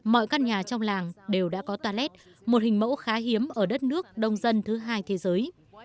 mọi căn nhà trong làng đều đã có ta lét một hình mẫu khá hiếm ở đất nước đông dân thứ hai thế giới